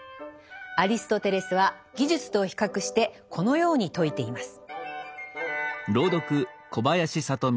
アリストテレスは技術と比較してこのように説いています。